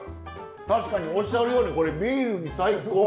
確かにおっしゃるようにこれビールに最高。